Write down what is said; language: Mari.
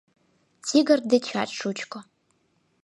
Тигр дечат шучко.